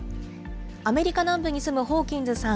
アメリカ南部に住むホーキンズさん。